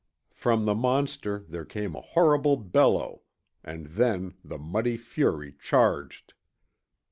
From the monster there came a horrible bellow, and then the muddy fury charged.